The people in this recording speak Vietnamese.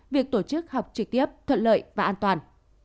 việc tổ chức học trực tiếp thuận lợi và an toàn